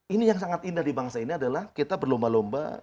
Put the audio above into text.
ini yang sangat indah di bangsa ini adalah kita berlomba lomba